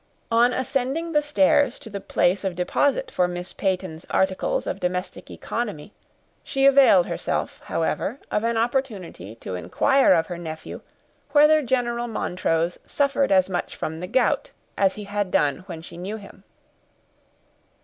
On ascending the stairs to the place of deposit for Miss Peyton's articles of domestic economy, she availed herself, however, of an opportunity to inquire of her nephew, whether General Montrose suffered as much from the gout as he had done when she knew him.